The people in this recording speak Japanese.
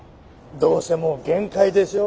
どうせもう限界でしょう。